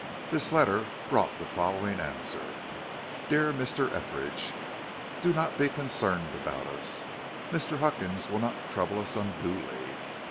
This letter brought the following answer: DEAR MR. ETHERIDGE: Do not be concerned about us. Mr. Huckins will not trouble us unduly.